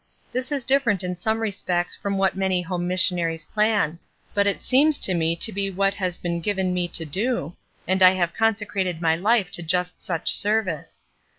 This is different in some respects from what many home mis sionaries plan; but it seems to me to be what has been given me to do, and I have consecrated my hfe to just such service.